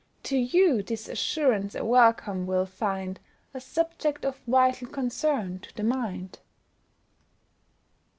To you this assurance a welcome will find, A subject of vital concern to the mind.